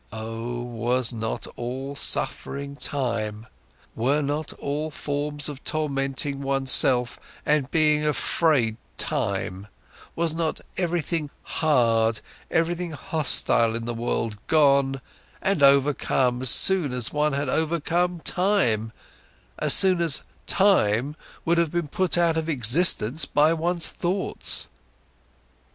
Oh, was not all suffering time, were not all forms of tormenting oneself and being afraid time, was not everything hard, everything hostile in the world gone and overcome as soon as one had overcome time, as soon as time would have been put out of existence by one's thoughts?